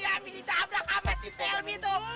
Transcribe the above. ambil kita abrak amat si selvi tuh